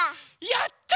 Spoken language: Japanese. やった！